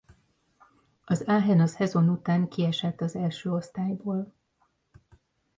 Az Aachen a szezon után kiesett az első osztályból.